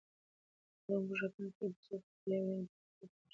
هغه موږکان چې د بیزو بکتریاوې لري، دماغي فعالیتونه ښيي.